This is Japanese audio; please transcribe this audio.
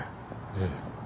ええ。